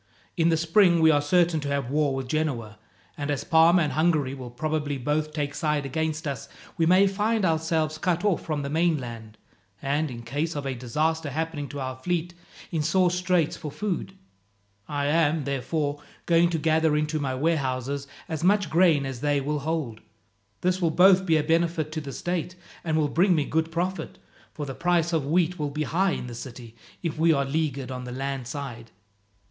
In the spring we are certain to have war with Genoa, and as Parma and Hungary will probably both take side against us, we may find ourselves cut off from the mainland, and, in case of a disaster happening to our fleet, in sore straits for food. I am, therefore, going to gather into my warehouses as much grain as they will hold. This will both be a benefit to the state, and will bring me good profit, for the price of wheat will be high in the city if we are leaguered on the land side.